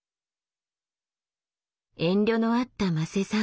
遠慮のあった馬瀬さん。